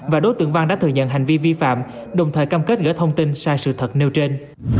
và đối tượng văn đã thừa nhận hành vi vi phạm đồng thời cam kết gỡ thông tin sai sự thật nêu trên